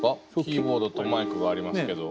キーボードとマイクがありますけど。